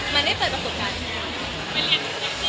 มันได้เปิดประสบการณ์